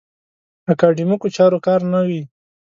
اکاډیمیکو چارو کار نه وي.